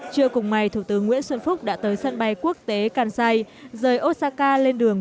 trưa cùng ngày thủ tướng nguyễn xuân phúc đã tới sân bay quốc tế kansai rời osaka lên đường